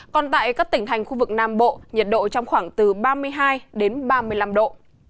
còn tại các tỉnh thành khu vực nam bộ nhiệt độ trong khoảng từ ba mươi hai đến ba mươi năm độ